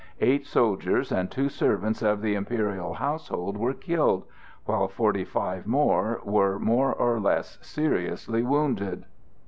Eight soldiers and two servants of the imperial household were killed, while forty five were more or less seriously wounded.